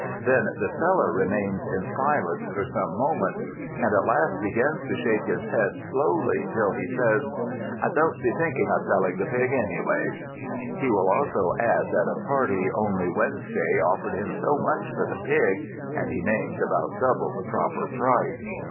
Then the seller remains in silence for some moments; and at last begins to shake his head slowly, till he says: "I don't be thinking of selling the pig, anyways." He will also add that a party only Wednesday offered him so much for the pig and he names about double the proper price.